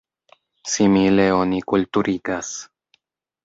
Simile oni kulturigas.